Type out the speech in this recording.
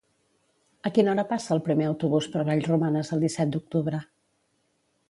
A quina hora passa el primer autobús per Vallromanes el disset d'octubre?